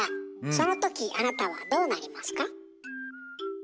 その時あなたはどうなりますか？